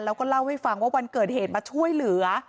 แล้วก็เล่าให้ฟังว่าวันเกิดเหตุมาช่วยเหลือ